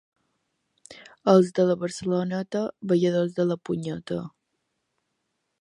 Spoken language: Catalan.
Els de la Barceloneta, balladors de la punyeta.